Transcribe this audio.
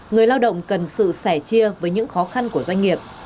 người lao động cần sự sẻ chia với những khó khăn của doanh nghiệp